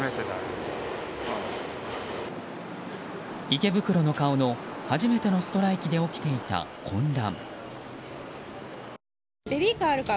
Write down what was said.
池袋の顔の初めてのストライキで起きていた混乱。